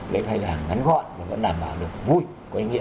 lễ khai giảng ngắn gọn mà vẫn đảm bảo được vui có ý nghĩa